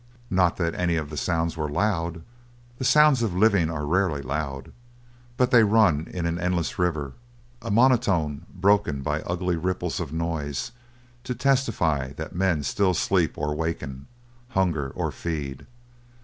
Not that any of the sounds were loud. The sounds of living are rarely loud, but they run in an endless river a monotone broken by ugly ripples of noise to testify that men still sleep or waken, hunger or feed.